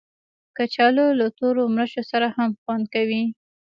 کچالو له تورو مرچو سره هم خوند کوي